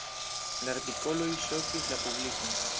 La artikoloj ŝokis la publikon.